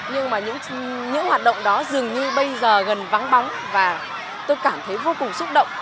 nhưng mà những hoạt động đó dường như bây giờ gần vắng bóng và tôi cảm thấy vô cùng xúc động